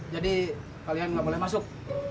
jadi kalian gak boleh masuk